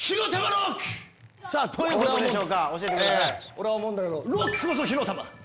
俺は思うんだけどロックこそ火の玉！